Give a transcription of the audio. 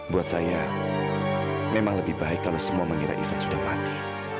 buat saya memang lebih baik kalau semua mengira isak sudah panti